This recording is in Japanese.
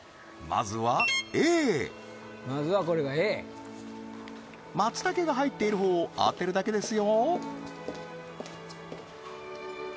まずはこれがＡ松茸が入っているほうを当てるだけですよ